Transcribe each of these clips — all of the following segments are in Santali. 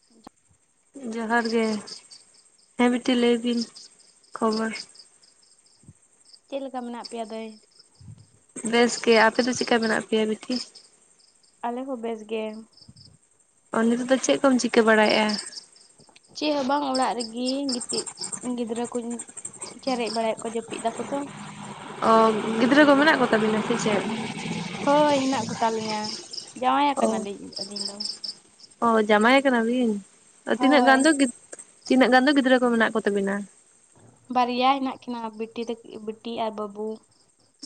[unintelligible] ᱡᱚᱦᱟᱨ ᱜᱮ᱾ ᱦᱮᱸ ᱵᱤᱴᱤ ᱞᱟᱹᱭ ᱵᱤᱱ ᱠᱷᱚᱵᱚᱨ ᱪᱮᱫ ᱞᱮᱠᱟ ᱢᱮᱱᱟᱜ ᱯᱮᱭᱟ ᱫᱟ. ᱭ? ᱵᱮᱥ ᱜᱮ ᱟᱯᱮ ᱫᱚ ᱪᱤᱠᱟ ᱢᱮᱱᱟᱜ ᱯᱮᱭᱟ ᱵᱤᱴᱤ? ᱟᱞᱮ ᱦᱚᱸ ᱵᱮᱥ ᱜᱮ᱾ ᱚ ᱱᱤᱛᱚᱜ ᱫᱚ ᱪᱮᱫ ᱠᱚᱢ ᱪᱤᱠᱟᱹ ᱵᱟᱲᱟᱭᱮᱜᱼᱟ? ᱪᱮᱫ ᱦᱚᱸ ᱵᱟᱝ ᱚᱲᱟᱜ ᱨᱮᱜᱤ ᱜᱤᱛᱤᱡ ᱜᱤᱫᱽᱨᱟᱹ ᱠᱩᱧ ᱪᱮᱨᱮᱡ ᱵᱟᱲᱟᱭᱮᱫ ᱠᱚᱣᱟ ᱡᱟᱹᱯᱤᱫ ᱫᱟᱠᱚ ᱛᱚ, ᱚ ᱜᱤᱫᱽᱨᱟᱹ ᱠᱚ ᱢᱮᱱᱟᱜ ᱠᱚ ᱛᱟ. ᱵᱤᱱᱟ ᱥᱮ ᱪᱮᱫ? ᱦᱳᱭ ᱦᱮᱱᱟᱸᱜ ᱠᱚᱛᱟᱞᱤᱧᱟ ᱡᱟᱶᱟᱭ ᱚ ᱠᱟᱱᱟᱞᱤᱧ ᱟᱹᱞᱤᱧ ᱫᱚ᱾ ᱚ ᱡᱟᱢᱟᱭ ᱠᱟᱱᱟ ᱵᱤᱱ ᱛᱤᱱᱟᱹᱜ ᱦᱳᱭ ᱜᱟᱱ ᱫᱚ ᱜᱤᱫ ᱛᱤᱱᱟᱹᱜ ᱜᱟᱱ ᱫᱚ ᱜᱤᱫᱽᱨᱟᱹ ᱠᱚ ᱢᱮᱱᱟᱜ ᱠᱚ ᱛᱟᱹᱵᱤᱱᱟ? ᱵᱟᱨᱭᱟ ᱦᱤᱱᱟᱜ ᱠᱤᱱᱟ ᱵᱤᱴᱤ ᱛᱟᱹᱠᱤ ᱵᱤᱴᱤ ᱟᱨ ᱵᱟᱹᱵᱩ᱾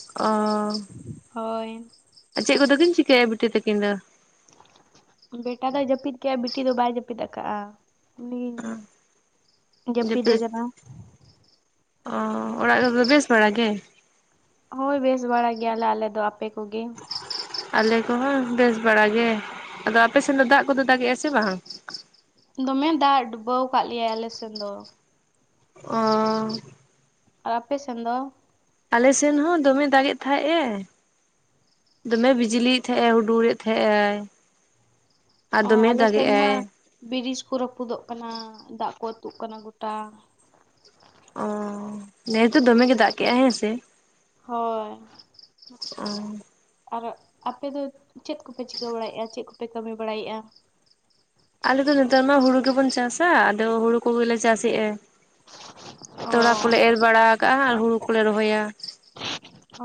ᱚᱻ ᱦᱳᱭ᱾ ᱪᱮᱫ ᱠᱚᱫᱚ ᱠᱤᱱ ᱪᱤᱠᱟᱹᱭᱟ ᱵᱤᱴᱤ ᱛᱟᱹᱠᱤᱱ ᱫᱚ? ᱵᱮᱴᱟ ᱫᱚᱭ ᱡᱟᱹᱯᱤᱫ ᱠᱮᱜᱼᱟ ᱵᱤᱴᱤ ᱫᱚ ᱵᱟᱭ ᱡᱟᱹᱯᱤᱫ ᱠᱟᱜᱼᱟ, ᱩᱱᱤ ᱡᱟᱹᱯᱤᱫᱮ ᱡᱮᱯᱤᱫ ᱠᱟᱱᱟ ᱚ ᱚᱲᱟᱜ ᱨᱮᱫᱚ ᱵᱮᱥ ᱵᱟᱲᱟ ᱜᱮ? ᱦᱳᱭ ᱵᱮᱥ ᱵᱟᱲᱟ ᱜᱮᱭᱟᱞᱮ ᱟᱞᱮ ᱫᱚ, ᱟᱯᱮ ᱠᱚᱜᱮ? ᱟᱞᱮ ᱠᱚᱦᱚᱸ ᱵᱮᱥ ᱵᱟᱲᱟ ᱜᱮ ᱟᱫᱚ ᱟᱯᱮ ᱥᱮᱱ ᱫᱚ ᱫᱟᱜ ᱠᱚᱫᱚ ᱫᱟᱜᱮᱜᱼᱟ ᱥᱮ ᱵᱟᱝ? ᱫᱚᱢᱮ ᱫᱟᱜ ᱰᱩᱵᱟᱹᱣ ᱠᱟᱜ ᱞᱮᱭᱟᱭ ᱟᱞᱮ ᱥᱮᱱ ᱫᱚ᱾ ᱚᱻ ᱟᱨ ᱟᱯᱮ ᱥᱮᱱ ᱫᱚ? ᱟᱞᱮ ᱥᱮᱱ ᱦᱚᱸ ᱫᱚᱢᱮᱭ ᱫᱟᱜᱮᱫ ᱛᱟᱸᱦᱮᱜ ᱮ, ᱫᱚᱢᱮ ᱵᱤᱡᱽᱞᱤᱭᱮᱫ ᱛᱟᱦᱮᱸᱜ ᱟᱭ ᱦᱩᱰᱩᱨ ᱮᱫ ᱛᱟᱦᱮᱸᱜ ᱟᱭ, ᱟᱨ ᱚ ᱫᱚᱢᱮ ᱟᱞᱮ ᱫᱟᱜᱮᱜ ᱥᱮᱱ ᱢᱟ ᱟᱭ ᱵᱨᱤᱡ ᱠᱚ ᱨᱟᱹᱯᱩᱫᱚᱜ ᱠᱟᱱᱟ ᱫᱟᱜ ᱠᱚ ᱟᱹᱛᱩᱜ ᱠᱟᱱᱟ ᱜᱚᱴᱟ᱾ ᱚᱻ ᱱᱮᱥ ᱫᱚ ᱫᱚᱢᱮ ᱜᱮᱸ ᱫᱟᱜ ᱠᱮᱜᱼᱟᱭ ᱦᱮᱸ ᱥᱮ? ᱦᱳᱭ᱾ ᱚᱻ ᱟᱨ ᱟᱯᱮ ᱫᱚ ᱪᱮᱫ ᱠᱚᱯᱮ ᱪᱤᱠᱟᱹ ᱵᱟᱲᱟᱭᱮᱜᱼᱟ ᱪᱮᱫ ᱠᱚᱯᱮ ᱠᱟᱹᱢᱤ ᱵᱟᱲᱟᱭᱮᱜᱼᱟ? ᱟᱞᱮᱫᱚ ᱱᱮᱛᱟᱨ ᱢᱟ ᱦᱩᱲᱩ ᱜᱮᱵᱚᱱ ᱪᱟᱥᱟ, ᱟᱫᱚ ᱦᱩᱲᱩ ᱠᱚᱜᱮᱞᱮ ᱪᱟᱥᱮᱜᱼᱟ᱾ ᱚ ᱛᱚᱲᱟ ᱠᱚᱞᱮ ᱮᱨ ᱵᱟᱲᱟ ᱠᱟᱜᱼᱟ ᱟᱨ ᱦᱩᱲᱩ ᱠᱚᱞᱮ ᱨᱚᱦᱚᱭᱟ᱾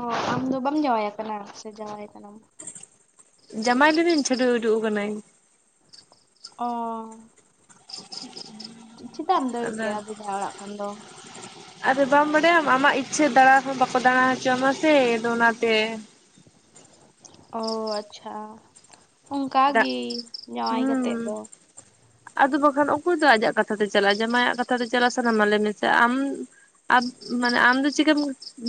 ᱚ ᱟᱢ ᱫᱚ ᱵᱟᱢ ᱡᱟᱶᱟᱭ ᱠᱟᱱᱟ ᱥᱮ ᱡᱟᱶᱟᱭ ᱠᱟᱱᱟᱢ? ᱡᱟᱢᱟᱭ ᱞᱤᱱᱟᱹᱧ ᱪᱷᱟᱹᱰᱩᱭ ᱩᱰᱩᱠ ᱠᱟᱱᱟᱹᱧ᱾ ᱚᱻ ᱪᱤ ᱪᱤᱫᱟᱜ ᱮᱢ ᱫᱟᱹᱲ ᱟᱫᱚ ᱠᱮᱜᱼᱟ [unintelligible] ᱚᱲᱟᱜ ᱠᱷᱚᱱ ᱫᱚ? ᱟᱫᱚ ᱵᱟᱢ ᱵᱟᱰᱟᱭᱟᱢ ᱟᱢᱟᱜ ᱤᱪᱪᱷᱟᱹ ᱫᱟᱬᱟ ᱦᱚᱸ ᱵᱟᱠᱚ ᱫᱟᱬᱟ ᱦᱚᱪᱚᱣᱟᱢᱟ ᱥᱮ ᱟᱫᱚ ᱚᱱᱟᱛᱮ᱾ ᱚ ᱟᱪᱪᱷᱟ᱾ ᱚᱝᱠᱟ ᱜᱤ ᱡᱟᱶᱟᱭ ᱠᱟᱛᱮᱜ ᱫᱚ ᱾ ᱟᱫᱳ ᱵᱟᱝᱠᱷᱟᱱ ᱚᱠᱚᱭ ᱫᱚ ᱟᱡᱟᱜ ᱠᱟᱛᱷᱟ ᱛᱮ ᱪᱟᱞᱟᱜᱼᱟ ᱡᱟᱢᱟᱭᱟᱜ ᱠᱟᱛᱷᱟ ᱛᱮ ᱪᱟᱞᱟ ᱥᱟᱱᱟᱢᱟ ᱞᱮ ᱢᱮᱥᱮ ᱟᱢ ᱟᱢ ᱢᱟᱱᱮ ᱟᱢ ᱫᱚ ᱪᱤᱠᱟᱹᱢ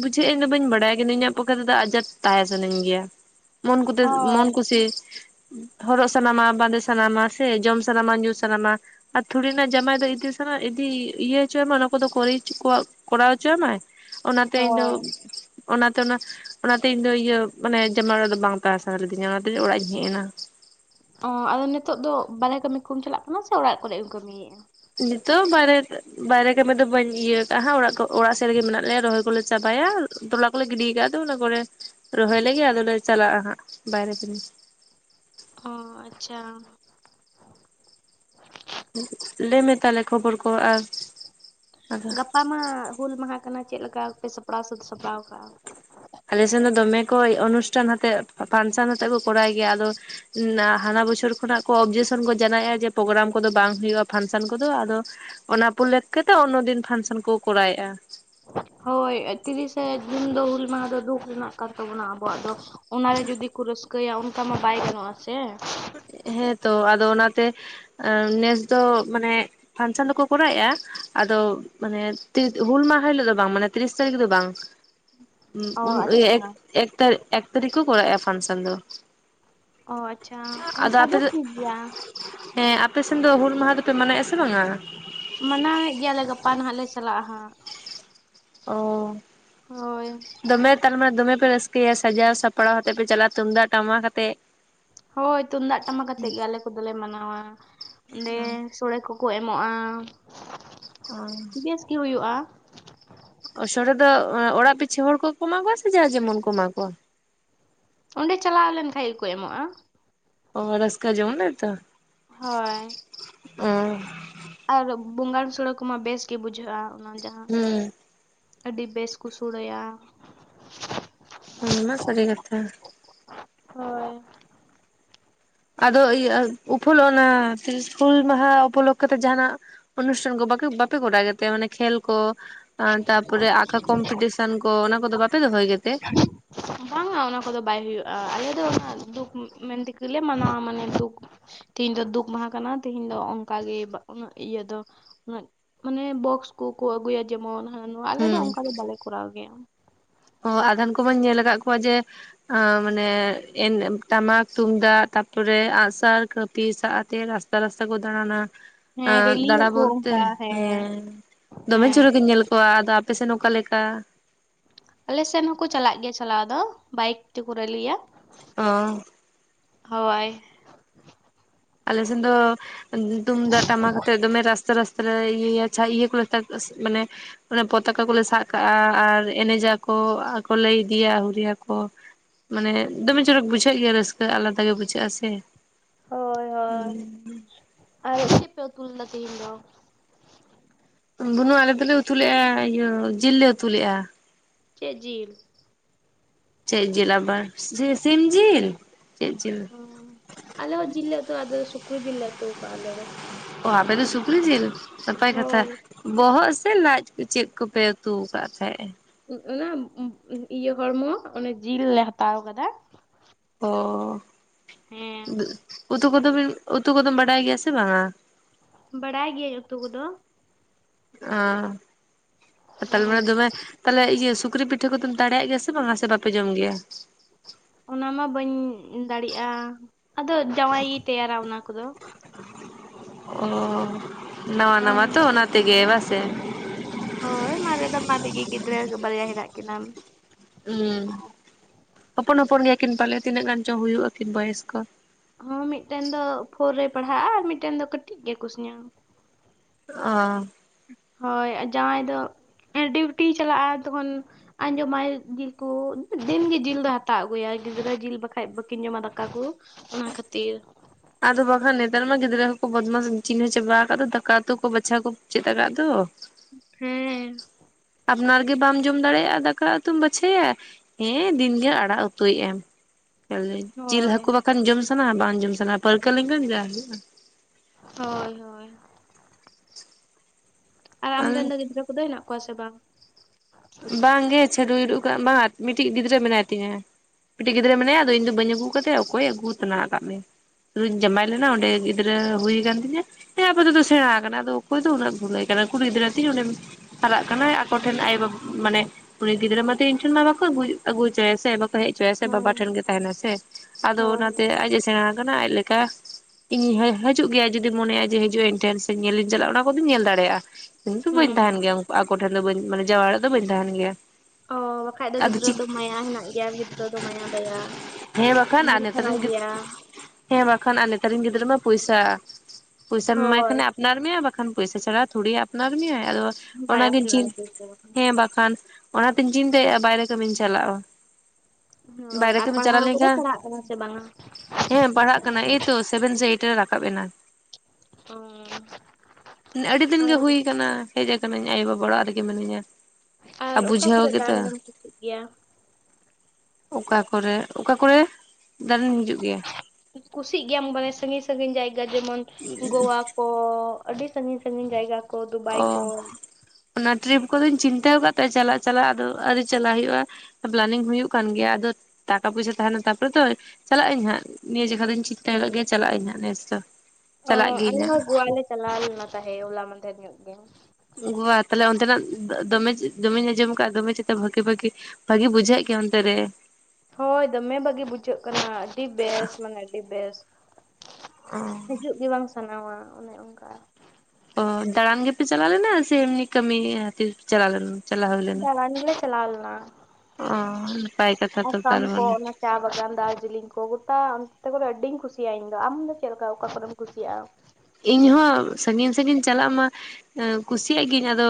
ᱵᱩᱡᱷᱟᱹᱣᱮᱫ ᱤᱧ ᱫᱚ ᱵᱟᱹᱧ ᱵᱟᱰᱟᱭᱟ ᱠᱤᱱᱛᱩ ᱤᱧᱟᱹᱜ ᱯᱚᱠᱠᱷᱮ ᱛᱮᱫᱚ ᱟᱡᱟᱫ ᱛᱟᱦᱮᱸ ᱥᱟᱱᱟᱹᱧ ᱜᱮᱭᱟ ᱾ ᱢᱚᱱ ᱠᱚᱫᱮ ᱦᱳᱭ ᱢᱚᱱ ᱠᱩᱥᱤ, ᱦᱚᱨᱚᱜ ᱥᱟᱱᱟᱢᱟ ᱵᱟᱸᱫᱮ ᱥᱟᱱᱟᱢᱟ ᱥᱮ ᱡᱚᱢ ᱥᱟᱱᱟᱢᱟ ᱧᱩ ᱥᱟᱱᱟᱢᱟ, ᱟᱨ ᱛᱷᱩᱲᱤ ᱱᱟ ᱡᱟᱢᱟᱭ ᱫᱚ ᱤᱫᱤ ᱥᱟᱱᱟ ᱤᱫᱤ ᱤᱭᱟᱹ ᱦᱚᱪᱚ ᱟᱢᱟ ᱚᱱᱟ ᱠᱚᱫᱚ ᱠᱳᱨᱮᱡ ᱠᱳᱣᱟᱜ ᱠᱚᱨᱟᱣ ᱦᱚᱪᱚᱢᱟᱭ, ᱚᱱᱟᱛᱮ ᱤᱧ ᱫᱚ ᱦᱳᱭ ᱚᱱᱟᱛᱮ ᱚᱱᱟ ᱚᱱᱟᱛᱮ ᱤᱧᱫᱚ ᱤᱭᱟᱹ ᱢᱟᱱᱮ ᱡᱟᱢᱟᱭ ᱚᱲᱟᱜ ᱨᱮᱫᱚ ᱵᱟᱝ ᱛᱟᱦᱮᱸ ᱥᱟᱱᱟ ᱞᱤᱫᱤᱧᱟ ᱚᱱᱟᱛᱮ ᱚᱲᱟᱜ ᱤᱧ ᱦᱮᱡ ᱮᱱᱟ ᱾ ᱚ ᱟᱫᱚ ᱱᱤᱛᱚᱜ ᱫᱚ ᱵᱟᱨᱦᱮ ᱠᱟᱹᱢᱤ ᱠᱳᱢ ᱪᱟᱞᱟᱜ ᱠᱟᱱᱟ ᱥᱮ ᱚᱲᱟᱜ ᱠᱚᱨᱮᱜ ᱮᱢ ᱠᱟᱹᱢᱤᱭᱮᱜᱼᱟ? ᱱᱤᱛᱚᱜ ᱵᱟᱭᱨᱮ ᱵᱟᱭᱨᱮ ᱠᱟᱹᱢᱤ ᱫᱚ ᱵᱟᱹᱧ ᱤᱭᱟᱹ ᱠᱟᱜᱼᱟ ᱦᱟᱸᱜ ᱚᱲᱟᱜ ᱚᱲᱟᱜ ᱥᱮᱫ ᱨᱮᱜᱮ ᱢᱮᱱᱟᱜ ᱞᱮᱭᱟ ᱨᱚᱦᱚᱭ ᱠᱚᱞᱮ ᱪᱟᱵᱟᱭᱟ, ᱛᱚᱞᱟ ᱠᱚᱞᱮ ᱜᱤᱰᱤ ᱠᱟᱜᱼᱟ ᱛᱚ ᱚᱱᱟ ᱠᱚᱨᱮ ᱨᱚᱦᱚᱭ ᱞᱮᱜᱮ ᱟᱫᱚᱞᱮ ᱪᱟᱞᱟᱜᱼᱟ ᱦᱟᱸᱜ ᱵᱟᱭᱨᱮ ᱠᱟᱹᱢᱤ ᱾ ᱦᱚᱸ ᱟᱪᱪᱷᱟ ᱾ ᱞᱮᱭ ᱢᱮ ᱛᱟᱦᱞᱮ ᱠᱷᱚᱵᱚᱨ ᱠᱚ ᱟᱨ ᱟᱫᱚ ᱜᱟᱯᱟ ᱢᱟ ᱦᱩᱞ ᱢᱟᱦᱟ ᱠᱟᱱᱟ ᱪᱮᱫ ᱞᱮᱠᱟ ᱯᱮ ᱥᱟᱯᱲᱟᱣ ᱥᱟᱹᱛ ᱥᱟᱯᱲᱟᱣ ᱠᱟᱜᱼᱟ? ᱟᱞᱮᱥᱮᱱ ᱫᱚ ᱫᱚᱢᱮ ᱠᱚ ᱚᱱᱩᱥᱴᱷᱟᱱ ᱟᱛᱮ ᱯᱷᱟᱱᱥᱮᱱ ᱟᱛᱮᱜ ᱠᱚ ᱠᱚᱨᱟᱭ ᱜᱮᱭᱟ ᱟᱫᱚ ᱦᱟᱱᱟ ᱵᱚᱪᱷᱚᱨ ᱠᱷᱚᱱᱟᱜ ᱠᱚ ᱚᱵᱡᱮᱠᱥᱚᱱ ᱠᱚ ᱡᱟᱱᱟᱭᱮᱜᱼᱟ ᱡᱮ ᱯᱨᱳᱜᱨᱟᱢ ᱠᱚᱫᱚ ᱵᱟᱝ ᱦᱩᱭᱩᱜᱼᱟ ᱯᱷᱟᱱᱥᱮᱱ ᱠᱚᱫᱚ ᱟᱫᱚ ᱚᱱᱟ ᱩᱯᱚᱞᱮᱠ ᱠᱟᱛᱮ ᱚᱱᱱᱚᱫᱤᱱ ᱯᱷᱟᱱᱥᱚᱱ ᱠᱚ ᱠᱚᱨᱟᱭᱮᱜᱼᱟ ᱾ ᱦᱳᱭ ᱛᱤᱨᱤᱥᱮ ᱡᱩᱱ ᱫᱚ ᱦᱩᱞ ᱢᱟᱦᱟ ᱫᱚ ᱫᱩᱠ ᱨᱮᱱᱟᱜ ᱠᱟᱱ ᱛᱟᱵᱚᱱᱟ ᱟᱵᱚᱣᱟᱜ ᱫᱚ, ᱚᱱᱟᱨᱮ ᱡᱩᱫᱤ ᱠᱚ ᱨᱟᱹᱥᱠᱟᱹᱭᱟ ᱚᱱᱠᱟ ᱢᱟ ᱵᱟᱭ ᱜᱟᱱᱚᱜᱼᱟ ᱥᱮ᱾ ᱦᱮᱸᱛᱚ ᱟᱫᱚ ᱚᱱᱟᱛᱮ ᱱᱮᱥ ᱫᱚ ᱢᱟᱱᱮ ᱯᱷᱟᱱᱥᱮᱱ ᱫᱚᱠᱚ ᱠᱚᱨᱟᱭᱮᱜᱼᱟ ᱟᱫᱚ ᱢᱟᱱᱮ ᱦᱩᱞ ᱢᱟᱦᱟ ᱦᱤᱞᱳᱜ ᱫᱚ ᱵᱟᱝ ᱢᱟᱱᱮ ᱛᱤᱨᱤᱥ ᱛᱟᱹᱨᱤᱠᱷ ᱫᱚ ᱵᱟᱝ, ᱚ ᱦᱩᱸ ᱟᱪᱪᱷᱟ᱾ ᱮᱠ ᱮᱠ ᱛᱟᱹᱨᱤᱠᱷ ᱠᱚ ᱠᱚᱨᱟᱣᱮᱜᱼᱟ ᱯᱷᱟᱱᱥᱚᱱ ᱫᱚ ᱾ ᱚ ᱟᱪᱪᱷᱟ ᱚᱱᱠᱟ ᱫᱚ ᱴᱷᱤᱠ ᱜᱮᱭᱟ ᱾ ᱦᱮᱸ ᱟᱯᱮ ᱥᱮᱱ ᱫᱚ ᱦᱩᱞ ᱢᱟᱦᱟ ᱫᱚᱯᱮ ᱢᱟᱱᱟᱣᱮᱫ ᱟ ᱥᱮ ᱵᱟᱝᱼᱟ? ᱢᱟᱱᱟᱣᱮᱫ ᱜᱮᱭᱟᱞᱮ ᱜᱟᱯᱟ ᱱᱟᱦᱟᱸᱜ ᱞᱮ ᱪᱟᱞᱟᱜᱼᱟ ᱦᱟᱸᱜ ᱾ ᱚᱻ ᱦᱳᱭ ᱾ ᱫᱚᱢᱮ ᱛᱟᱨᱢᱟᱱᱮ ᱫᱚᱢᱮ ᱯᱮ ᱨᱟᱹᱥᱠᱟᱹᱭᱟ ᱥᱟᱡᱟᱣ ᱥᱟᱯᱲᱟᱣ ᱦᱟᱛᱮᱜ ᱯᱮ ᱪᱟᱞᱟᱜᱼᱟ ᱛᱩᱢᱫᱟᱜ ᱴᱟᱢᱟᱠ ᱟᱛᱮ᱾ ᱦᱳᱭ ᱛᱩᱢᱫᱟᱜ ᱴᱟᱢᱟᱠ ᱟᱛᱮᱜ ᱜᱮ ᱟᱞᱮ ᱠᱚᱫᱚᱞᱮ ᱢᱟᱱᱟᱣᱟ ᱚᱸᱰᱮ ᱥᱚᱲᱮ ᱠᱚ ᱠᱚ ᱮᱢᱚᱜᱼᱟ ᱾ ᱦᱚᱸᱻ ᱾ ᱠᱤ ᱦᱩᱭᱩᱜᱼᱟ? ᱚ ᱥᱚᱲᱮ ᱫᱚ ᱚᱲᱟᱜ ᱯᱤᱪᱷᱩ ᱦᱚᱲ ᱠᱚ ᱮᱢᱟ ᱠᱚᱣᱟ ᱥᱮ ᱡᱟᱦᱟᱸᱭ ᱡᱮᱢᱚᱱ ᱠᱚ ᱮᱢᱟ ᱠᱚᱣᱟ? ᱚᱸᱰᱮ ᱪᱟᱞᱟᱣ ᱞᱮᱱᱠᱟᱱ ᱜᱮᱠᱚ ᱮᱢᱚᱜᱼᱟ ᱾ ᱚᱻ ᱨᱟᱹᱥᱠᱟ ᱡᱚ ᱚᱱᱮ ᱛᱚ ᱾ ᱦᱳᱭ ᱟᱨ ᱵᱚᱸᱜᱟᱱ ᱥᱳᱲᱮ ᱠᱚᱢᱟ ᱵᱮᱥ ᱜᱮ ᱵᱩᱡᱷᱟᱹᱜᱼᱟ ᱾ ᱚᱱᱟ ᱡᱟᱦᱟᱸ ᱦᱩᱸ ᱟᱹᱰᱤ ᱵᱮᱥ ᱠᱚ ᱥᱳᱲᱮᱭᱟ ᱾ ᱚᱱᱟᱢᱟ ᱥᱟᱹᱨᱤ ᱠᱟᱛᱷᱟ ᱾ ᱦᱳᱭ ᱾ ᱟᱫᱚ ᱤᱭᱟᱹ ᱩᱯᱷᱩᱞ ᱚᱱᱟ ᱛᱤᱥ ᱦᱩᱞ ᱢᱟᱦᱟ ᱩᱯᱚᱞᱚᱠᱷᱚ ᱛᱮ ᱡᱟᱦᱟᱱᱟᱜ ᱚᱱᱩᱥᱴᱷᱟᱱ ᱠᱚ ᱵᱟᱯᱤ ᱵᱟᱯᱮ ᱠᱚᱰᱟ ᱜᱮᱛᱮ ᱢᱟᱱᱮ ᱠᱷᱮᱞ ᱠᱚ? ᱛᱟᱯᱚᱨᱮ ᱟᱸᱠᱟ ᱠᱚᱢᱯᱤᱴᱤᱥᱚᱱ ᱠᱚ ᱚᱱᱟ ᱠᱚᱫᱚ ᱵᱟᱯᱮ ᱫᱚᱦᱚᱭ ᱜᱮ ᱛᱮ? [inaudible] ᱵᱟᱝᱟ ᱚᱱᱟ ᱠᱚᱫᱚ ᱵᱟᱭ ᱦᱩᱭᱩᱜᱼᱟ ᱟᱞᱮ ᱫᱚ ᱚᱱᱟ ᱫᱩᱠ ᱢᱮᱱ ᱛᱮᱜᱮᱞᱮ ᱢᱟᱱᱟᱣᱟ ᱢᱟᱱᱮ ᱫᱩᱠ ᱛᱤᱦᱤᱧ ᱫᱚ ᱫᱩᱠ ᱢᱟᱦᱟ ᱠᱟᱱᱟ ᱛᱤᱦᱤᱧ ᱫᱚ ᱚᱱᱠᱟᱜᱮ ᱩᱱᱟᱜ ᱤᱭᱟᱹ ᱫᱚ ᱩᱜ ᱢᱟᱱᱮ ᱵᱚᱠᱥ ᱠᱚᱠᱚ ᱟᱹᱜᱩᱭᱟ ᱡᱮᱢᱚᱱ ᱱᱚᱣᱟ ᱟᱞᱮ ᱫᱚ ᱦᱩᱸ ᱚᱱᱠᱟ ᱫᱚ ᱵᱟᱞᱮ ᱠᱚᱨᱟᱣ ᱜᱮᱭᱟ ᱾ ᱚ ᱟᱫᱷᱮᱱ ᱠᱚᱢᱟᱧ ᱧᱮᱞ ᱟᱠᱟᱫ ᱠᱚᱣᱟ ᱡᱮ ᱢᱟᱱᱮ ᱮᱱ ᱴᱟᱢᱟᱠ ᱛᱩᱢᱫᱟᱜ ᱛᱟᱯᱚᱨᱮ ᱟᱸᱜᱥᱟᱨ ᱠᱟᱹᱯᱤ ᱥᱟᱵ ᱟᱛᱮ ᱨᱟᱥᱛᱟ ᱨᱟᱥᱛᱟ ᱠᱩ ᱫᱟᱲᱟᱱᱟ, ᱦᱮᱸ ᱫᱟᱬᱟ ᱨᱮᱞᱤᱭᱟᱠᱚ ᱵᱚᱞᱛᱮ ᱚᱱᱠᱟ ᱦᱮᱸ ᱫᱚᱢᱮ ᱦᱮᱸ ᱡᱩᱨᱟᱹ ᱜᱤᱧ ᱧᱮᱞ ᱠᱚᱣᱟ᱾ ᱟᱫᱚ ᱟᱯᱮᱥᱮᱱ ᱚᱝᱠᱟ ᱞᱮᱠᱟ? ᱟᱞᱮᱥᱮᱱ ᱦᱚᱸᱠᱚ ᱪᱟᱞᱟᱜ ᱜᱮᱭᱟ, ᱪᱟᱞᱟᱣ ᱫᱚ ᱵᱟᱭᱤᱠ ᱛᱮᱠᱚ ᱨᱮᱞᱤᱭᱟ᱾ ᱚᱸ ᱦᱳᱭ᱾ ᱟᱞᱮᱥᱮᱱ ᱫᱚ ᱛᱩᱢᱫᱟᱜ ᱴᱟᱢᱟᱠ ᱟᱛᱮ ᱫᱚᱢᱮ ᱨᱟᱥᱛᱟ ᱨᱟᱥᱛᱟ ᱛᱟᱞᱮ ᱟᱪᱪᱷᱟ, ᱤᱭᱟᱹ ᱠᱚ ᱨᱮ ᱦᱟᱛᱟᱣ ᱠᱟᱜᱼᱟ ᱥᱮ ᱢᱟᱱᱮ ᱚᱱᱮ ᱯᱚᱛᱟᱠᱟ ᱠᱚ ᱨᱮ ᱥᱟᱵ ᱠᱟᱜᱼᱟ ᱟᱨ ᱮᱱᱮᱡᱟᱠᱚ ᱟᱨ ᱠᱚᱞᱮᱭ ᱤᱫᱤᱭᱟ ᱦᱩᱨᱭᱟ ᱠᱚ ᱢᱟᱱᱮ ᱫᱚᱢᱮ ᱡᱚᱨᱚᱠ ᱵᱩᱡᱷᱟᱹᱜ ᱜᱮᱭᱟ, ᱨᱟᱹᱥᱠᱟᱹ ᱟᱞᱟᱫᱟ ᱜᱮ ᱵᱩᱡᱷᱟᱹᱜᱼᱟ ᱥᱮ ᱦᱳᱭ ᱦᱳᱭ ᱟᱨ ᱪᱮᱫ ᱯᱮ ᱩᱛᱩ ᱞᱮᱫᱟ ᱛᱮᱦᱤᱧ ᱫᱚ? ᱵᱩᱱᱩ ᱟᱞᱮ ᱫᱚᱞᱮ ᱩᱛᱩ ᱞᱮᱫᱼᱟ, ᱤᱭᱟᱹ ᱡᱤᱞ ᱞᱮ ᱩᱛᱩ ᱞᱮᱫᱼᱟ᱾ ᱪᱮᱜ ᱡᱤᱞ? ᱪᱮᱫ ᱡᱤᱞ ᱟᱵᱟᱨ ᱥᱤᱢ ᱡᱤᱞ ᱪᱮᱫ ᱡᱤᱞ ᱚ ᱟᱞᱮ ᱦᱚᱸ ᱡᱤᱞ ᱞᱮ ᱩᱛᱩ ᱟᱫᱚ ᱥᱩᱠᱨᱤ ᱡᱤᱞ ᱞᱮ ᱩᱛᱩ ᱠᱟᱜᱼᱟ ᱟᱞᱮ ᱫᱚ᱾ ᱚ ᱟᱯᱮ ᱫᱚ ᱥᱩᱠᱨᱤ ᱡᱤᱞ, ᱱᱟᱯᱟᱭ ᱠᱟᱛᱷᱟ ᱦᱳᱭ ᱵᱚᱦᱚᱜ ᱥᱮ ᱞᱟᱹᱡ? ᱪᱮᱫ ᱠᱚᱯᱮ ᱩᱛᱩ ᱟᱠᱟᱫ ᱛᱟᱦᱮᱸᱜ? ᱚᱱᱟ ᱤᱭᱟᱹ ᱦᱚᱲᱢᱚ ᱚᱱᱮ ᱡᱤᱞ ᱞᱮ ᱦᱟᱛᱟᱣ ᱟᱠᱟᱫᱟ᱾ ᱚ ᱦᱮᱸ ᱩᱛᱩ ᱠᱚᱫᱚᱵᱤᱱ ᱩᱛᱩ ᱠᱚᱫᱚᱢ ᱵᱟᱰᱟᱭ ᱜᱮᱭᱟ ᱥᱮ ᱵᱟᱝᱼᱟ? ᱵᱟᱲᱟᱭ ᱜᱤᱭᱟᱹᱧ ᱩᱛᱚ ᱠᱚᱫᱚ᱾ ᱚ ᱛᱟᱞᱢᱟᱱᱮ ᱦᱮᱸ ᱫᱚᱢᱮ ᱛᱟᱦᱚᱞᱮ ᱤᱭᱟᱹ ᱥᱩᱠᱨᱤ ᱯᱤᱴᱷᱟᱹ ᱠᱚᱫᱚᱢ ᱫᱟᱲᱮᱭᱟᱜ ᱜᱮᱭᱟ ᱥᱮ ᱵᱟᱝᱼᱟ ᱥᱮ ᱵᱟᱯᱮ ᱡᱚᱢ ᱜᱮᱭᱟ? ᱚᱱᱟ ᱢᱟ ᱵᱟᱹᱧ ᱫᱟᱲᱮᱭᱟᱜᱼᱟ, ᱟᱫᱚ ᱡᱟᱶᱟᱭ ᱜᱮ ᱛᱮᱭᱟᱨᱟ ᱚᱱᱟ ᱠᱚᱫᱚ᱾ ᱚ ᱱᱟᱣᱟ ᱦᱚᱸ ᱱᱟᱣᱟ ᱛᱚ ᱚᱱᱟᱛᱮᱜ ᱵᱟ ᱥᱮ? ᱦᱳᱭ ᱢᱟᱨᱮ ᱫᱚ ᱢᱟᱨᱮ ᱜᱮ ᱜᱤᱫᱽᱨᱟᱹ ᱵᱟᱨᱭᱟ ᱦᱮᱱᱟᱜ ᱠᱤᱱᱟᱹ᱾ ᱦᱚᱸ ᱦᱚᱯᱚᱱ ᱦᱚᱯᱚᱱ ᱜᱮᱭᱟᱠᱤᱱ ᱯᱟᱞᱮ ᱛᱤᱱᱟᱹᱜ ᱜᱟᱱ ᱪᱚᱝ ᱦᱩᱭᱩᱜ ᱟᱠᱤᱱ ᱵᱚᱭᱚᱥ ᱠᱚ? ᱦᱚᱸ ᱢᱤᱫᱴᱮᱱ ᱫᱚ ᱯᱷᱳᱨ ᱨᱮᱭ ᱯᱟᱲᱦᱟᱜᱼᱟ ᱟᱨ ᱢᱤᱫᱴᱮᱱ ᱫᱚ ᱠᱟᱹᱴᱤᱡ ᱜᱮ ᱠᱩᱥᱤᱧᱟ᱾ ᱚ ᱦᱳᱭ ᱡᱟᱦᱟᱸᱟᱭ ᱫᱚ ᱰᱤᱣᱴᱤᱭ ᱪᱟᱞᱟᱜ-ᱟ, ᱛᱚᱠᱷᱚᱱ ᱟᱸᱡᱚᱢᱟᱭ ᱡᱤᱞ ᱠᱚ ᱫᱤᱱ ᱜᱮ ᱡᱤᱞ ᱫᱚᱭ ᱦᱟᱛᱟᱣ ᱟᱹᱜᱩᱭᱟ᱾ ᱜᱤᱫᱽᱨᱟᱹ ᱡᱤᱞ ᱵᱟᱠᱷᱟᱡ ᱵᱟᱹᱠᱤᱱ ᱡᱚᱢᱟ ᱫᱟᱠᱟ ᱠᱚ᱾ ᱚᱱᱟ ᱠᱷᱟᱹᱛᱤᱨ ᱟᱫᱚ ᱵᱟᱠᱷᱟᱱ ᱱᱮᱛᱟᱨ ᱢᱟ ᱜᱤᱫᱽᱨᱟᱹ ᱦᱚᱠᱚ ᱵᱚᱫᱽᱢᱟᱥ ᱪᱤᱱᱦᱟᱹ ᱪᱟᱵᱟ ᱠᱟᱜ ᱫᱚ ᱫᱟᱠᱟ ᱩᱛᱩ ᱠᱚ ᱵᱟᱪᱷᱟ ᱠᱚ ᱪᱮᱫ ᱠᱟᱫ ᱫᱚ᱾ ᱦᱮᱸ᱾ ᱟᱯᱱᱟᱨ ᱜᱮ ᱵᱟᱢ ᱡᱚᱢ ᱫᱟᱲᱮᱭᱟᱜ-ᱟ, ᱫᱟᱠᱟ ᱩᱛᱩᱢ ᱵᱟᱪᱷᱟᱭᱟ᱾ ᱦᱮᱸ ᱫᱤᱱᱜᱮ ᱟᱲᱟᱜ ᱩᱛᱩᱭᱮᱜ-ᱟᱢ, ᱡᱤᱞ ᱦᱟᱹᱠᱩ ᱦᱳᱭ ᱵᱟ ᱠᱷᱟᱱ ᱡᱚᱢ ᱥᱟᱱᱟᱦᱟ ᱵᱟᱝ ᱡᱚᱢ ᱥᱟᱱᱟᱦᱟ ᱯᱟᱹᱨᱠᱟᱹ ᱞᱮᱱ ᱠᱟᱱᱟ ᱡᱟᱥ ᱦᱚᱭ ᱦᱚᱭ ᱟᱨ ᱟᱢᱨᱮᱱ ᱫᱚ ᱜᱤᱫᱽᱨᱟᱹ ᱠᱚᱫᱚ ᱦᱮᱱᱟᱜ ᱠᱚᱣᱟ ᱥᱮ ᱵᱟᱝ? ᱵᱟᱝ ᱜᱮ ᱪᱷᱟᱹᱰᱩᱭ ᱩᱰᱩᱜ ᱠᱟᱜ ᱵᱟᱛ ᱢᱤᱫᱴᱤᱡ ᱜᱤᱫᱽᱨᱟᱹ ᱢᱮᱱᱟᱭ ᱛᱤᱧᱟᱹ᱾ ᱢᱤᱫᱴᱤᱡ ᱜᱤᱫᱽᱨᱟᱹ ᱢᱮᱱᱟᱭᱟ᱾ ᱟᱫᱚ ᱤᱧ ᱫᱚ ᱵᱟᱹᱧ ᱟᱹᱜᱩ ᱠᱟᱫᱮᱭᱟ ᱟᱫᱚ ᱚᱠᱚᱭ ᱟᱹᱜᱩ ᱛᱟᱱᱟ ᱠᱟᱜ ᱫᱮᱭᱟ᱾ ᱨᱤᱧ ᱡᱟᱢᱟᱭ ᱞᱮᱱᱟ ᱚᱸᱰᱮ ᱜᱤᱫᱽᱨᱟᱹ ᱦᱩᱭ ᱟᱠᱟᱱ ᱛᱤᱧᱟᱹ᱾ ᱦᱮᱸ ᱟᱯᱟ ᱛᱚᱛᱚ ᱫᱚ ᱥᱮᱬᱟ ᱠᱟᱱᱟ ᱟᱫᱚ ᱚᱠᱚᱭ ᱫᱚ ᱩᱱᱟᱜ ᱠᱩᱞᱤᱭᱮ ᱠᱟᱱᱟ ᱠᱩᱲᱤ ᱜᱤᱫᱽᱨᱟᱹ ᱛᱤᱧ᱾ ᱦᱟᱨᱟᱜ ᱠᱟᱱᱟᱭ ᱟᱠᱚ ᱴᱷᱮᱱ ᱟᱭᱳ ᱵᱟ ᱢᱟᱱᱮ ᱩᱱᱤ ᱜᱤᱫᱽᱨᱟᱹ ᱢᱟᱛᱤ ᱤᱧ ᱴᱷᱮᱱ ᱢᱟ ᱵᱟᱠᱚ ᱟᱹᱜᱩ ᱟᱹᱜᱩ ᱦᱚᱪᱚᱭᱟ ᱥᱮ ᱵᱟ ᱦᱮᱡ ᱪᱚᱭᱟ ᱥᱮ ᱵᱟᱵᱟ ᱦᱩᱸ ᱴᱷᱮᱱ ᱜᱮ ᱛᱟᱦᱮᱱᱟ ᱥᱮ ᱟᱫᱚ ᱦᱳᱭ ᱦᱳᱭ ᱚᱱᱟᱛᱮ ᱟᱡ ᱮ ᱥᱮᱬᱟ ᱠᱟᱱᱟ ᱟᱡ ᱞᱮᱠᱟ᱾ ᱤᱧᱤᱧ ᱦᱮ ᱦᱤᱡᱩᱜ ᱜᱮᱭᱟ ᱡᱩᱫᱤ ᱢᱚᱱᱮᱭᱟ ᱡᱮ ᱦᱤᱡᱩᱜ-ᱟ, ᱤᱧ ᱴᱷᱮᱱ ᱥᱮ ᱧᱮᱞᱤᱧ ᱪᱟᱞᱟᱜ-ᱟ ᱚᱱᱟ ᱠᱚᱫᱚᱧ ᱧᱮᱞ ᱫᱟᱲᱮᱭᱟᱜ-ᱟ᱾ ᱤᱧᱫᱚ ᱦᱩᱸ ᱵᱟᱹᱧ ᱛᱟᱦᱮᱱ ᱦᱩᱸ ᱜᱮᱭᱟ ᱩᱝᱠᱩ ᱟᱠᱚ ᱴᱷᱮᱱ ᱫᱚ ᱵᱟᱹᱧ ᱢᱟᱱᱮ ᱡᱟᱶᱟᱭ ᱚᱲᱟᱜ ᱫᱚ ᱵᱟᱹᱧ ᱛᱟᱦᱮᱱ ᱜᱮᱭᱟ᱾ ᱚ ᱵᱟᱠᱷᱟᱡ ᱫᱚ ᱟᱫᱚ ᱜᱤᱫᱽᱨᱟᱹ ᱪᱤᱠ ᱫᱚ ᱢᱟᱭᱟ ᱦᱮᱱᱟᱜ ᱜᱮᱭᱟ ᱜᱤᱫᱽᱨᱟᱹ ᱫᱚ ᱢᱟᱭᱟ ᱛᱟᱭᱟ᱾ ᱦᱮᱸ ᱵᱟᱠᱷᱟᱱ ᱟᱨ ᱧᱮᱞ ᱱᱮᱛᱟᱨ ᱥᱟᱱᱟ ᱨᱮᱱ ᱜᱮᱭᱟ᱾ ᱦᱮᱸ ᱵᱟᱠᱷᱟᱱ ᱱᱮᱛᱟᱨ ᱨᱮᱱ ᱜᱤᱫᱽᱨᱟᱹ ᱢᱟ ᱯᱩᱭᱥᱟ ᱯᱚᱭᱥᱟᱢ ᱮᱢᱟᱭ ᱠᱷᱟᱱ ᱦᱳᱭ ᱟᱯ ᱱᱟᱨᱢᱮᱭᱟ ᱵᱟᱠᱷᱟᱱ ᱯᱚᱭᱥᱟ ᱪᱷᱟᱲᱟ ᱛᱷᱲᱤ ᱟᱯᱱᱟᱨ ᱢᱮᱭᱟᱭ᱾ ᱟᱫᱚ ᱵᱟᱭ ᱚᱱᱟᱜᱤᱧ ᱟᱯᱱᱟᱨ ᱪᱤᱱ ᱢᱮᱭᱟ᱾ ᱦᱮᱸ ᱵᱟᱠᱷᱟᱱ ᱚᱱᱟᱛᱤᱧ ᱪᱤᱱᱛᱟᱹᱭᱮᱜ-ᱟ ᱵᱟᱭᱨᱮ ᱠᱟᱹᱢᱤᱧ ᱪᱟᱞᱟᱜ-ᱟ ᱾ ᱦᱳᱭ ᱟᱨ ᱯᱟᱲᱦᱟᱣ ᱠᱚᱫᱚ ᱯᱟᱲᱦᱟᱜ ᱠᱟᱱᱟ ᱥᱮ ᱵᱟᱝᱟ? ᱦᱮᱸ ᱯᱟᱲᱦᱟᱜ ᱠᱟᱱᱟ ᱮᱭᱛᱚ ᱥᱮᱵᱷᱮᱱ ᱥᱮ ᱮᱭᱤᱴ ᱨᱮ ᱨᱟᱠᱟᱵ ᱮᱱᱟ ᱾ ᱚ ᱟᱹᱰᱤ ᱫᱤᱱ ᱜᱮ ᱟᱨ ᱦᱩᱭ ᱟᱠᱟᱱᱟ ᱾ ᱦᱮᱡ ᱟᱠᱟᱹᱱᱟᱹᱧ ᱟᱭᱳ ᱵᱟᱵᱟ ᱚᱲᱟᱜ ᱨᱮᱜᱮ ᱢᱤᱱᱟᱹᱧᱟ ᱾ ᱟᱨ ᱚᱠᱟ ᱠᱚᱨᱮ ᱫᱟᱬᱟᱱᱮᱢ ᱠᱩᱥᱤᱜ ᱜᱮᱭᱟ? ᱚᱠᱟ ᱠᱚᱨᱮ ᱚᱠᱟ ᱠᱚᱨᱮ ᱫᱟᱲᱟᱱ ᱤᱧ ᱦᱤᱡᱩᱜ ᱜᱮᱭᱟ ᱠᱩᱥᱤᱜ ᱜᱮᱭᱟᱢ ᱢᱟᱱᱮ ᱥᱟᱺᱜᱤᱧ ᱥᱟᱺᱜᱤᱧ ᱡᱟᱭᱜᱟ ᱡᱮᱢᱚᱱ ᱜᱳᱣᱟ, ᱠᱚ ᱟᱹᱰᱤ ᱥᱟᱺᱜᱤᱧ ᱥᱟᱺᱜᱤᱧ ᱡᱟᱭᱜᱟ ᱠᱚ ᱫᱩᱵᱟᱭ ᱠᱚ ᱚ ᱾ ᱚᱱᱟ ᱴᱨᱤᱯ ᱠᱚᱫᱚᱧ ᱪᱤᱱᱛᱟᱹᱣ ᱟᱠᱟᱜ ᱛᱟᱦᱮᱸᱫ ᱪᱟᱞᱟᱜ ᱪᱟᱞᱟᱜ ᱟᱫᱚ ᱟᱣᱨᱤ ᱪᱟᱞᱟᱜ ᱦᱩᱭᱩᱜ-ᱟ ᱾ ᱯᱞᱟᱱᱤᱝ ᱦᱩᱭᱩᱜ ᱠᱟᱱ ᱜᱮᱭᱟ ᱟᱫᱚ ᱴᱟᱠᱟ ᱯᱩᱭᱥᱟ ᱛᱟᱦᱮᱱᱟ ᱛᱟᱯᱚᱨᱮ ᱛᱚ ᱪᱟᱞᱟᱜ ᱟᱹᱧ ᱦᱟᱸᱜ ᱱᱤᱭᱟᱹ ᱡᱮᱠᱷᱟ ᱫᱩᱧ ᱪᱤᱱᱛᱟᱹ ᱠᱟᱜ ᱜᱮᱭᱟ ᱪᱟᱞᱟᱜ ᱟᱹᱧ ᱦᱟᱸᱜ ᱱᱮᱥ ᱫᱚ ᱾ ᱚ ᱟᱞᱮ ᱦᱚᱸ ᱜᱳᱣᱟ ᱞᱮ ᱪᱟᱞᱟᱣ ᱞᱮᱱᱟ ᱛᱟᱦᱮᱸ ᱦᱚᱞᱟ ᱢᱟᱫᱷᱮᱨ ᱧᱚᱜ ᱜᱮ ᱾ ᱜᱳᱣᱟ ᱛᱟᱦᱞᱮ ᱚᱱᱛᱮᱱᱟᱜ ᱫᱚᱢᱮ ᱫᱚᱢᱮᱧ ᱟᱸᱡᱚᱢ ᱟᱠᱟᱜ-ᱟ ᱫᱚᱢᱮ ᱪᱮᱛᱟ ᱵᱷᱟᱹᱜᱤ ᱵᱷᱟᱹᱜᱤ ᱵᱷᱟᱹᱜᱤ ᱵᱩᱡᱷᱟᱹᱜ ᱜᱮᱭᱟ ᱚᱱᱛᱮ ᱨᱮ ᱾ ᱦᱳᱭ ᱫᱚᱢᱮ ᱵᱷᱟᱹᱜᱤ ᱵᱩᱡᱷᱟᱹᱜ ᱠᱟᱱᱟ ᱟᱹᱰᱤ ᱵᱮᱥ ᱢᱟᱱᱮ ᱟᱹᱰᱤ ᱵᱮᱥ ᱾ ᱚ ᱾ ᱦᱤᱡᱩᱜ ᱜᱮ ᱵᱟᱝ ᱥᱟᱱᱟᱣᱟ ᱚᱱᱮ ᱚᱱᱠᱟ ᱾ ᱚ ᱫᱟᱬᱟᱱ ᱜᱮᱯᱮ ᱪᱟᱞᱟᱣ ᱞᱮᱱᱟ? ᱥᱮ ᱮᱢᱱᱤ ᱠᱟᱹᱢᱤ ᱪᱟᱞᱟᱣ ᱞᱮᱱ ᱪᱟᱞᱟᱣ ᱦᱩᱭ ᱞᱮᱱᱟ ᱫᱟᱬᱟᱱ ᱜᱮᱞᱮ ᱪᱟᱞᱟᱣ ᱞᱮᱱᱟ ᱾ᱚ, ᱱᱟᱯᱟᱭ ᱠᱟᱛᱷᱟ ᱛᱚ ᱟᱥᱟᱢ ᱛᱟᱨ ᱠᱚ ᱢᱟᱱᱮ ᱚᱱᱟ ᱪᱟ ᱵᱟᱜᱟᱱ ᱫᱟᱨᱡᱤᱞᱤᱝ ᱠᱚ ᱜᱚᱴᱟ ᱚᱱᱛᱮ ᱠᱚᱨᱮ ᱟᱹᱰᱤᱧ ᱠᱩᱥᱤᱭᱟᱜ-ᱟ ᱤᱧ ᱫᱚ, ᱟᱢ ᱫᱚ ᱪᱮᱫ ᱞᱮᱠᱟ ᱚᱠᱟ ᱠᱚᱨᱮᱢ ᱠᱩᱥᱤᱭᱟᱜ-ᱟ? ᱤᱧ ᱦᱚᱸ ᱥᱟᱺᱜᱤᱧ ᱥᱟᱺᱜᱤᱧ ᱪᱟᱞᱟᱜ ᱢᱟ ᱠᱩᱥᱤᱭᱟᱜ ᱜᱤᱭᱟᱹᱧ ᱟᱫᱚ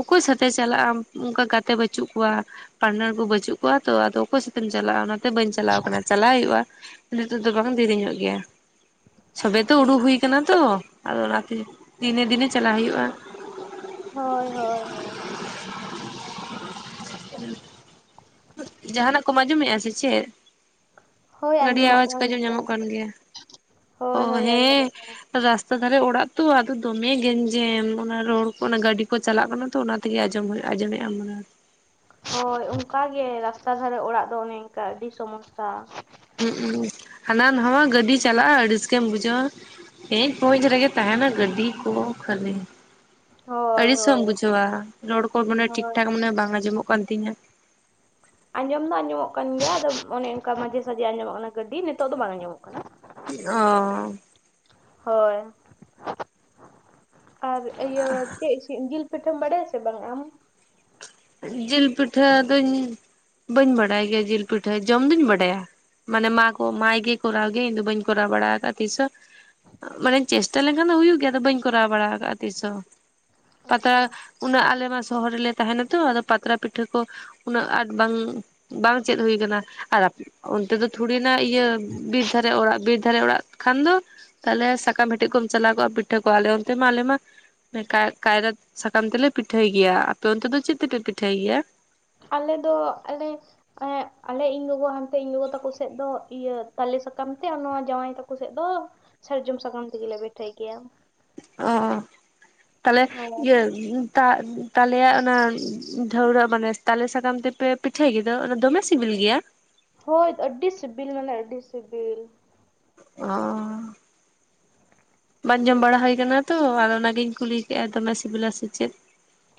ᱚᱠᱚᱭ ᱥᱟᱛᱮ ᱪᱟᱞᱟᱜ-ᱟᱢ ᱚᱝᱠᱟ ᱜᱟᱛᱮ ᱵᱟᱹᱪᱩᱜ ᱠᱚᱣᱟ ᱾ ᱯᱟᱨᱴᱱᱟᱨ ᱠᱚ ᱵᱟᱹᱪᱩᱜ ᱠᱚᱣᱟ ᱛᱚ ᱟᱫᱚ ᱚᱠᱚᱭ ᱥᱟᱛᱮᱢ ᱪᱟᱞᱟᱜᱼᱟ ᱾ ᱚᱱᱟ ᱛᱮ ᱵᱟᱹᱧ ᱪᱟᱞᱟᱣ ᱟᱠᱟᱱᱟ ᱾ᱪᱟᱞᱟᱣ ᱦᱩᱭᱩᱜᱼᱟ ᱱᱤᱛᱚᱜ ᱫᱚ ᱵᱟᱝᱟ ᱫᱮᱨᱤᱧᱚᱜ ᱜᱮᱭᱟ ᱾ ᱥᱟᱵᱮ ᱛᱚ ᱩᱰᱩᱠ ᱦᱩᱭ ᱟᱠᱟᱱᱟ ᱛᱚ, ᱟᱫᱚ ᱚᱱᱟᱛᱮ ᱫᱤᱱᱮ ᱫᱤᱱᱮ ᱪᱟᱞᱟᱜ ᱦᱩᱭᱩᱜᱼᱟ ᱾ ᱦᱳᱭ ᱦᱳᱭ ᱦᱳᱭ ᱾ ᱡᱟᱦᱟᱱᱟᱜ ᱠᱚᱢ ᱟᱸᱡᱚᱢᱮᱫᱼᱟ ᱥᱮ ᱪᱮᱫ? ᱦᱳᱭ ᱜᱟᱹᱰᱤ ᱟᱸᱡᱚᱢᱚᱜ ᱟᱣᱟᱡᱽ ᱠᱟᱱᱟ ᱠᱚ ᱟᱸᱡᱚᱢ ᱱᱟᱥᱮ ᱧᱟᱢᱚᱜ ᱠᱟᱱ ᱱᱟᱥᱮ ᱜᱮᱭᱟ ᱾ ᱚ, ᱦᱳᱭ ᱦᱳᱭ ᱦᱮᱸ ᱟᱸᱡᱚᱢᱚᱜ ᱠᱟᱱᱟ᱾ ᱨᱟᱥᱛᱟ ᱫᱷᱟᱨᱮ ᱚᱲᱟᱜ ᱛᱚ, ᱟᱫᱚ ᱫᱚᱢᱮ ᱜᱮᱧᱡᱮᱢ ᱚᱱᱟ ᱨᱚᱲ ᱠᱚ ᱚᱱᱟ ᱜᱟᱹᱰᱤ ᱠᱚ ᱪᱟᱞᱟᱜ ᱠᱟᱱᱟ ᱛᱚ ᱚᱱᱟ ᱛᱮᱜᱮ ᱟᱸᱡᱚᱢ ᱟᱸᱡᱚᱢᱮᱫᱼᱟ ᱢᱚᱱᱟ ᱦᱚᱭ ᱾ ᱦᱳᱭ ᱚᱱᱠᱟ ᱜᱮ ᱨᱟᱥᱛᱟ ᱫᱷᱟᱨᱮ ᱚᱲᱟᱜ ᱫᱚ ᱚᱱᱮ ᱤᱱᱠᱟ ᱟᱹᱰᱤ ᱥᱚᱢᱚᱥᱥᱟ ᱾ ᱦᱩᱜ ᱩᱸ, ᱦᱟᱱᱟ ᱱᱟᱣᱟ ᱜᱟᱹᱰᱤ ᱪᱟᱞᱟᱜᱼᱟ ᱟᱹᱲᱤᱥ ᱜᱮᱢ ᱵᱩᱡᱷᱟᱹᱣᱟ ᱾ ᱠᱮᱸᱡ ᱠᱚᱸᱪ ᱨᱮᱜᱮ ᱛᱟᱦᱮᱱᱟ ᱜᱟᱹᱰᱤ ᱠᱚ ᱠᱷᱟᱹᱞᱤ ᱾ ᱦᱳᱭ ᱟᱹᱲᱤᱥ ᱦᱚᱢ ᱦᱳᱭ ᱵᱩᱡᱷᱟᱹᱣᱟ ᱨᱚᱲ ᱠᱚ ᱢᱟᱱᱮ ᱦᱳᱭ ᱴᱷᱤᱠᱴᱷᱟᱠ ᱢᱟᱱᱮ ᱵᱟᱝ ᱟᱸᱡᱚᱢᱚᱜ ᱠᱟᱱ ᱛᱤᱧᱟ ᱾ ᱟᱸᱡᱚᱢ ᱫᱚ ᱟᱸᱡᱚᱢᱚᱜ ᱠᱟᱱ ᱜᱮᱭᱟ ᱾ ᱟᱫᱚ ᱚᱱᱮ ᱚᱱᱠᱟ ᱢᱟᱡᱷᱮ ᱥᱟᱡᱷᱮ ᱟᱸᱡᱚᱢᱚᱜ ᱠᱟᱱᱟ ᱜᱟᱹᱰᱤ ᱱᱤᱛᱚᱜ ᱫᱚ ᱵᱟᱝ ᱟᱸᱡᱚᱢᱚᱜ ᱠᱟᱱᱟ ᱾ ᱚ ᱾ ᱦᱳᱭ ᱟᱨ ᱤᱭᱟᱹ ᱪᱮᱫ ᱡᱤᱞ ᱯᱤᱴᱷᱟᱹᱢ ᱵᱟᱲᱟᱭᱟ ᱥᱮ ᱵᱟᱝ ᱟᱢ? ᱡᱤᱞ ᱯᱤᱴᱷᱟᱹ ᱫᱚᱧ ᱵᱟᱹᱧ ᱵᱟᱰᱟᱭ ᱜᱮᱭᱟ ᱡᱤᱞ ᱯᱤᱴᱷᱟᱹ ᱡᱚᱢ ᱫᱩᱧ ᱵᱟᱰᱟᱭᱟ ᱾ ᱢᱟᱱᱮ ᱢᱟ ᱠᱚ ᱢᱟᱭ ᱜᱮ ᱠᱚᱨᱟᱣ ᱜᱮ ᱤᱧᱫᱚ ᱵᱟᱹᱧ ᱠᱚᱨᱟᱣ ᱵᱟᱲᱟ ᱠᱟᱜᱼᱟ ᱛᱤᱥ ᱦᱚᱸ ᱾ ᱢᱟᱱᱮ ᱪᱮᱥᱴᱟ ᱞᱮᱱᱠᱷᱟᱱ ᱫᱚ ᱦᱩᱭᱩᱜ ᱜᱮᱭᱟ, ᱟᱫᱚ ᱵᱟᱹᱧ ᱠᱚᱨᱟᱣ ᱵᱟᱲᱟ ᱟᱠᱟᱜᱼᱟ ᱛᱤᱥ ᱦᱚᱸ᱾ ᱯᱟᱛᱲᱟ ᱟᱪᱪᱷᱟ ᱩᱱᱟᱹᱜ ᱟᱞᱮᱢᱟ ᱥᱚᱦᱚᱨ ᱨᱮᱞᱮ ᱛᱟᱦᱮᱱᱟ ᱛᱚ ᱟᱫᱚ ᱯᱟᱛᱲᱟ ᱯᱤᱴᱷᱟᱹ ᱠᱚ ᱩᱱᱟᱹᱜ ᱟᱸᱴ ᱵᱟᱝ ᱵᱟᱝ ᱪᱮᱫ ᱦᱩᱭ ᱟᱠᱟᱱᱟ ᱾ᱟᱨ ᱚᱱᱛᱮ ᱫᱚ ᱛᱷᱲᱤᱱᱟᱜ ᱤᱭᱟᱹ ᱵᱤᱨ ᱫᱷᱟᱨᱮ ᱚᱲᱟᱜ, ᱵᱤᱨ ᱫᱷᱟᱨᱮ ᱚᱲᱟᱜ ᱠᱷᱟᱱ ᱫᱚ ᱛᱟᱦᱞᱮ ᱥᱟᱠᱟᱢ ᱦᱮᱴᱮᱡ ᱠᱚᱢ ᱪᱟᱞᱟᱣ ᱠᱚᱜᱼᱟ ᱾ ᱯᱤᱴᱷᱟᱹ ᱠᱚᱣᱟ ᱟᱞᱮ ᱚᱱᱛᱮ ᱢᱟ ᱟᱞᱮ ᱢᱟ ᱠᱟᱭᱨᱟ ᱥᱟᱠᱟᱢ ᱛᱮᱞᱮ ᱯᱤᱴᱷᱟᱹᱭ ᱜᱮᱭᱟ ᱾ᱟᱯᱮ ᱚᱱᱛᱮ ᱫᱚ ᱪᱮᱫ ᱛᱮᱯᱮ ᱯᱤᱴᱷᱟᱹᱭ ᱜᱮᱭᱟ? ᱟᱞᱮ ᱫᱚ ᱟᱞᱮ ᱟᱞᱮ ᱤᱧ ᱜᱚᱜᱚ ᱦᱟᱱᱛᱮ ᱤᱧ ᱜᱚᱜᱚ ᱛᱟᱠᱚ ᱥᱮᱜ ᱫᱚ ᱤᱭᱟᱹ ᱛᱟᱞᱮ ᱥᱟᱠᱟᱢ ᱛᱮ, ᱟᱨ ᱱᱚᱣᱟ ᱡᱟᱶᱟᱭ ᱛᱟᱠᱚ ᱥᱮᱫ ᱫᱚ ᱥᱟᱨᱡᱚᱢ ᱥᱟᱠᱟᱢ ᱛᱮᱜᱮ ᱞᱮ ᱯᱤᱴᱷᱟᱹᱭ ᱜᱮᱭᱟ ᱾ ᱚ ᱛᱟᱦᱚᱞᱮ ᱚ ᱤᱭᱟᱹ ᱛᱟ ᱛᱟᱞᱮᱭᱟᱜ ᱚᱱᱟ ᱫᱷᱟᱹᱣᱲᱟᱹᱜ ᱢᱟᱱᱮ ᱛᱟᱞᱮ ᱥᱟᱠᱟᱢ ᱛᱮᱯᱮ ᱯᱤᱴᱷᱟᱹᱭ ᱜᱤᱫᱟ ᱚᱱᱟ ᱫᱚᱢᱮ ᱥᱤᱵᱤᱞ ᱜᱮᱭᱟ ᱦᱳᱭ ᱟᱹᱰᱤ ᱥᱤᱵᱤᱞ ᱢᱟᱱᱮ ᱟᱹᱰᱤ ᱥᱤᱵᱤᱞ ᱚᱸ ᱵᱟᱝ ᱡᱚᱢ ᱵᱟᱲᱟ ᱦᱩᱭ ᱟᱠᱟᱱᱟ ᱛᱚ ᱟᱫᱚ ᱚᱱᱟᱜᱤᱧ ᱠᱩᱞᱤ ᱠᱮᱫᱼᱟ ᱫᱚᱢᱮ ᱥᱤᱵᱤᱞᱟ ᱥᱮ ᱪᱮᱫ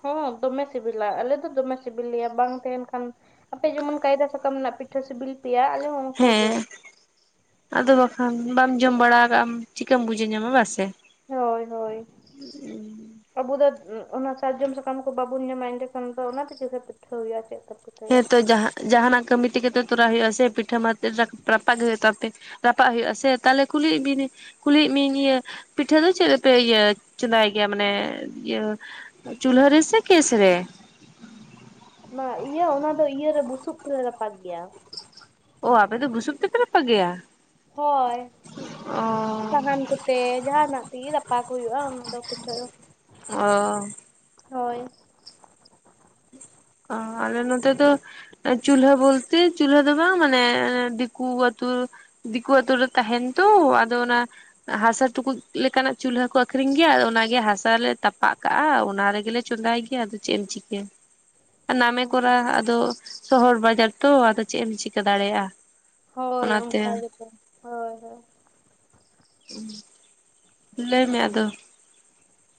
ᱦᱚᱸ ᱫᱚᱢᱮ ᱥᱤᱵᱤᱞᱟ ᱟᱞᱮ ᱫᱚ ᱫᱚᱢᱮ ᱥᱤᱵᱤᱞᱮᱭᱟ ᱵᱟᱝ ᱛᱟᱦᱮᱱ ᱠᱷᱟᱱ ᱟᱯᱮ ᱡᱮᱢᱚᱱ ᱠᱟᱭᱫᱟ ᱥᱟᱠᱟᱢ ᱨᱮᱱᱟᱜ ᱯᱤᱴᱷᱟᱹ ᱥᱤᱵᱤᱞ ᱯᱮᱭᱟ ᱟᱞᱮ ᱦᱚᱸ ᱚᱱᱠᱟ ᱜᱮ᱾ ᱦᱮᱸ ᱟᱫᱚ ᱵᱟᱠᱷᱟᱱ ᱵᱟᱢ ᱡᱚᱢ ᱵᱟᱲᱟ ᱠᱟᱜ ᱟᱢ ᱪᱤᱠᱟᱹᱢ ᱵᱩᱡᱷᱟᱹᱣ ᱧᱟᱢᱟ ᱵᱟᱥᱮ ᱦᱳᱭ ᱦᱳᱭ ᱩᱸᱦᱜ ᱟᱵᱚ ᱫᱚᱛ ᱚᱱᱟ ᱥᱟᱨᱡᱚᱢ ᱥᱟᱠᱟᱢ ᱠᱚ ᱵᱟᱵᱚᱱ ᱧᱟᱢᱟ ᱮᱸᱰᱮᱠᱷᱟᱱ ᱫᱚ ᱚᱱᱟᱛᱮ ᱪᱤᱠᱟᱹ ᱯᱤᱴᱷᱟᱹ ᱦᱩᱭᱩᱜᱼᱟ ᱪᱮᱫ ᱛᱮ ᱯᱤᱴᱷᱟᱹᱭᱟ᱾ ᱦᱮᱸᱛᱚ ᱡᱟᱦᱟᱜ ᱡᱟᱦᱟᱱᱟᱜ ᱠᱟᱹᱢᱤ ᱛᱮᱜᱮ ᱛᱚ ᱛᱚᱨᱟᱣ ᱦᱩᱭᱩᱜ ᱟ ᱥᱮ ᱯᱤᱴᱷᱟᱹ ᱢᱟ ᱛᱮᱨᱟᱠ ᱨᱟᱯᱟᱜ ᱦᱩᱭᱩᱜ ᱛᱟᱯᱮ ᱨᱟᱯᱟᱜ ᱦᱩᱭᱩᱜᱼᱟ ᱥᱮ ᱛᱟᱦᱞᱮ ᱠᱩᱞᱤᱭᱮᱫ ᱵᱤᱱ ᱠᱩᱞᱤᱭᱮᱫ ᱢᱤᱭᱟᱹᱧ ᱤᱭᱟᱹ ᱯᱤᱴᱷᱟᱹ ᱫᱚ ᱪᱮᱫ ᱨᱮᱯᱮ ᱤᱭᱟᱹ ᱪᱚᱸᱫᱟᱭ ᱜᱮᱭᱟ ᱢᱟᱱᱮ ᱤᱭᱟᱹ ᱪᱩᱞᱦᱟᱹ ᱨᱮ ᱥᱮ ᱠᱮᱥ ᱨᱮ ᱚᱱᱟ ᱤᱭᱟᱹ ᱚᱱᱟ ᱫᱚ ᱤᱭᱟᱹᱨᱮ ᱵᱩᱥᱩᱵ ᱛᱮᱞᱮ ᱨᱟᱯᱟᱜ ᱜᱮᱭᱟ ᱟᱯᱮ ᱫᱚ ᱜᱩᱥᱩᱯ ᱛᱮᱯᱮ ᱨᱟᱯᱟᱜ ᱜᱮᱭᱟ? ᱦᱳᱭ ᱚ ᱥᱟᱦᱟᱱ ᱠᱚᱛᱮ ᱡᱟᱦᱟᱱᱟᱜ ᱛᱮᱜᱮ ᱜᱟᱯᱟ ᱠᱚ ᱦᱩᱭᱩᱜᱼᱟ ᱚᱱᱟ ᱫᱚ ᱯᱤᱴᱷᱟᱹ ᱫᱚ ᱚᱸᱻᱻ ᱦᱳᱭ ᱚ ᱟᱞᱮ ᱱᱚᱛᱮ ᱫᱚ ᱪᱩᱞᱦᱟᱹ ᱵᱚᱞᱛᱮ ᱪᱩᱞᱦᱟᱹ ᱫᱚᱵᱟᱝ ᱢᱟᱱᱮ ᱫᱤᱠᱩ ᱟᱛᱩ ᱫᱤᱠᱩ ᱨᱮ ᱛᱟᱦᱮᱱ ᱛᱩ ᱟᱫᱚ ᱚᱱᱟ ᱦᱟᱥᱟ ᱴᱩᱠᱩᱡ ᱞᱮᱠᱟᱱᱟᱜ ᱪᱩᱞᱦᱟᱹ ᱠᱚ ᱟᱠᱷᱨᱤᱧ ᱜᱮᱭᱟ ᱟᱫᱚ ᱚᱱᱟᱜᱮ ᱦᱟᱥᱟᱞᱮ ᱛᱟᱯᱟᱜ ᱠᱟᱜ-ᱟ ᱚᱱᱟ ᱨᱮᱜᱮ ᱞᱮ ᱪᱚᱸᱫᱟᱭ ᱜᱮᱭᱟ ᱟᱫᱚ ᱪᱮᱫ ᱮᱢ ᱪᱤᱠᱟᱹᱭᱟ ᱱᱟᱢᱮ ᱠᱚᱨᱟ ᱟᱫᱚ ᱥᱚᱦᱚᱨ ᱵᱟᱡᱟᱨ ᱛᱚ ᱟᱫᱚ ᱪᱮᱫ ᱮᱢ ᱪᱤᱠᱟᱹ ᱫᱟᱲᱮᱭᱟᱜ-ᱟ᱾ ᱦᱳᱭ ᱚᱱᱠᱟ ᱜᱮᱛᱚ ᱦᱳᱭ ᱦᱳᱭ ᱩᱸ ᱞᱟᱹᱭ ᱢᱮ ᱟᱫᱚ